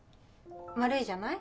丸いじゃない？